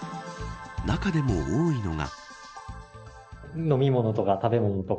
中でも多いのが。